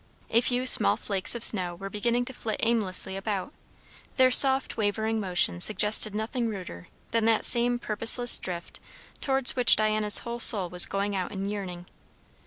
A few small flakes of snow were beginning to flit aimlessly about; their soft, wavering motion suggested nothing ruder than that same purposeless drift towards which Diana's whole soul was going out in yearning.